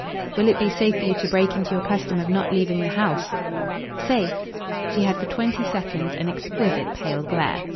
"Will it be safe for you to break into your custom of not leaving the house?" "'Safe' ?" She had for twenty seconds an exquisite pale glare.